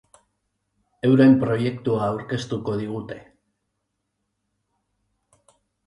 Euren proiektua aurkeztuko digute.